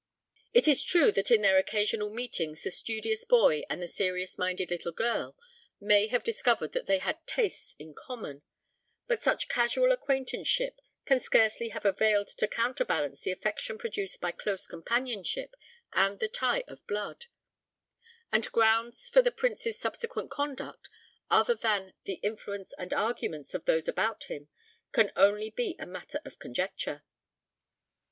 It is true that in their occasional meetings the studious boy and the serious minded little girl may have discovered that they had tastes in common, but such casual acquaintanceship can scarcely have availed to counterbalance the affection produced by close companionship and the tie of blood; and grounds for the Prince's subsequent conduct, other than the influence and arguments of those about him, can only be matter of conjecture.